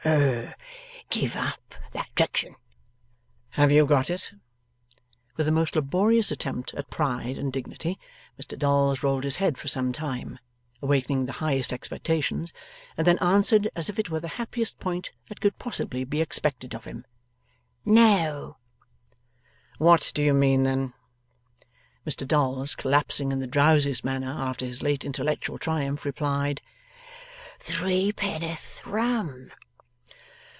'Er give up that drection.' 'Have you got it?' With a most laborious attempt at pride and dignity, Mr Dolls rolled his head for some time, awakening the highest expectations, and then answered, as if it were the happiest point that could possibly be expected of him: 'No.' 'What do you mean then?' Mr Dolls, collapsing in the drowsiest manner after his late intellectual triumph, replied: 'Threepenn'orth Rum.